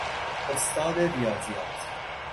استاد ریاضیات